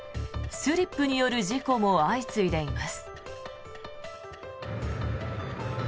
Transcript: スリップによる事故も相次いでいます。